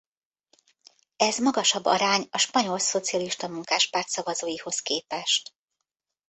Ez magasabb arány a Spanyol Szocialista Munkáspárt szavazóihoz képest.